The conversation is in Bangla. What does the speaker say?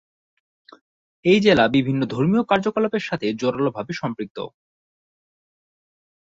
এই জেলা বিভিন্ন ধর্মীয় কার্যকলাপের সাথে জোরালোভাবে সম্পৃক্ত।